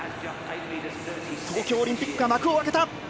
東京オリンピックが幕を開けた。